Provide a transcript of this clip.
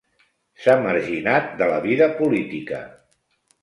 S'ha marginat de la vida política.